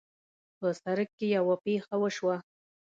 په سړک کې یوه پېښه وشوه